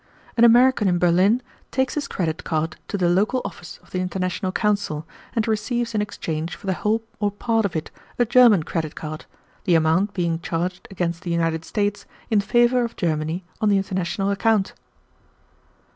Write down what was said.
An American in Berlin takes his credit card to the local office of the international council, and receives in exchange for the whole or part of it a German credit card, the amount being charged against the United States in favor of Germany on the international account."